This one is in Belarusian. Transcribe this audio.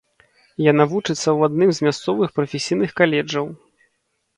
Яна вучыцца ў адным з мясцовых прафесійных каледжаў.